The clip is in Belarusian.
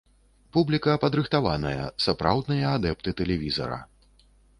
Публіка падрыхтаваная, сапраўдныя адэпты тэлевізара.